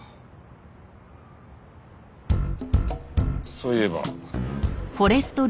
そういえば。